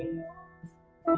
như sắt kẹm